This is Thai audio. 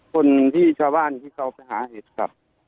คนที่ชาวบ้านที่เขาไปหาเห็ดครับ